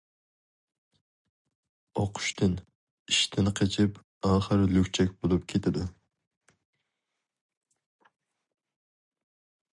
ئوقۇشتىن، ئىشتىن قېچىپ، ئاخىر لۈكچەك بولۇپ كېتىدۇ.